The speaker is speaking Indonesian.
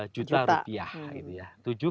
empat ratus sembilan puluh juta rupiah